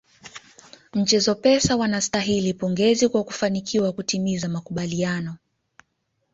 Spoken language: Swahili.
Mchezo Pesa wanastahili pongezi kwa kufanikiwa kutimiza makubaliano